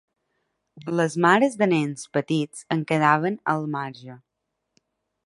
Les mares de nens petits en quedaven al marge.